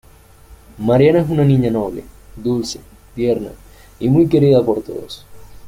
Mariana es una niña noble, dulce, tierna y muy querida por todos.